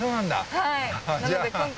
はい。